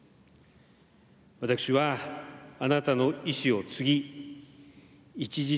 私はあなたの遺志を継ぎ一日